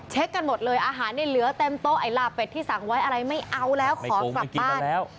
กันหมดเลยอาหารเนี่ยเหลือเต็มโต๊ะไอ้ลาเป็ดที่สั่งไว้อะไรไม่เอาแล้วขอกลับบ้านแล้ว